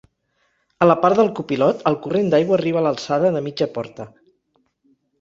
A la part del copilot el corrent d'aigua arriba a l'alçada de mitja porta.